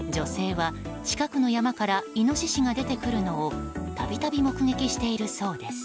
女性は、近くの山からイノシシが出てくるのをたびたび目撃しているそうです。